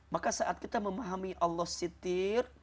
maka saat kita memahami allah sitir